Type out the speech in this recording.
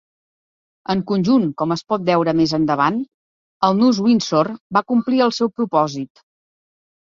En conjunt, com es pot veure més endavant, el nus Windsor va complir el seu propòsit.